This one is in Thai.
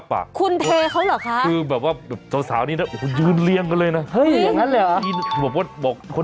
อย่างนี้แต่เค้าเรียกว่ามีผู้หญิงติดพันธกร